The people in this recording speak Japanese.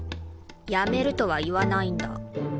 やめるとは言わないんだ。